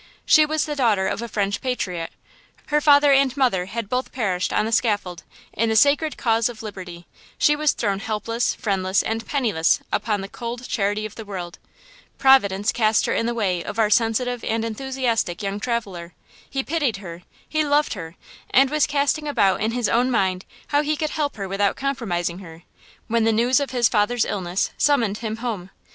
She was the daughter of a French patriot. Her father and mother had both perished on the scaffold in the sacred cause of liberty; she was thrown helpless, friendless and penniless upon the cold charity of the world; Providence cast her in the way of our sensitive and enthusiastic young traveler; he pitied her; he loved her, and was casting about in his own mind how he could help without compromising her, when the news of his father's illness summoned him home.